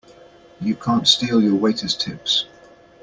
You can't steal your waiters' tips!